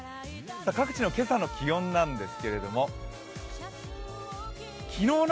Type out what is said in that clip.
各地の今朝の気温です。